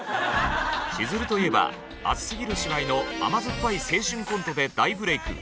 しずるといえば熱すぎる芝居の甘酸っぱい青春コントで大ブレーク。